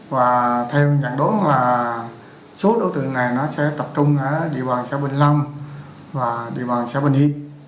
và theo nhận đối là số đối tượng này sẽ tập trung ở địa bàn xã bình lâm và địa bàn xã bình yên